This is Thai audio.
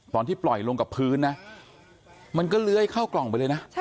ตอนที่ปล่อยลงกับพื้นนะมันก็เลื้อยเข้ากล่องไปเลยนะ